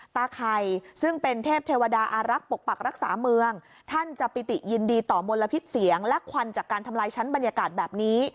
ไข่ซึ่งเป็นเทพเทวดาอารักษ์ปกปักรักษาเมืองท่านจะปิติยินดีต่อมลพิษเสียงและควันจากการทำลายชั้นบรรยากาศแบบนี้